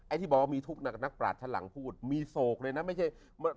ที่บอกว่ามีทุกข์กับนักปราศชั้นหลังพูดมีโศกเลยนะไม่ใช่